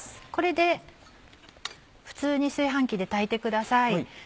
これで普通に炊飯器で炊いてください。